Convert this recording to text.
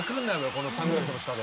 このサングラスの下で。